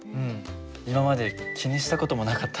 今まで気にした事もなかった。